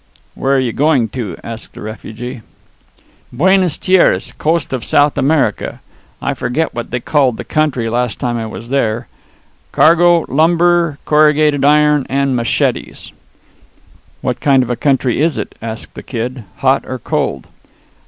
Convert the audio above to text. "Where are you going to?" asked the refugee. "Buenas Tierras, coast of South America I forgot what they called the country the last time I was there. Cargo lumber, corrugated iron, and machetes." "What kind of a country is it?" asked the Kid "hot or cold?"